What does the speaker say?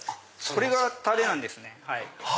これがタレなんですね。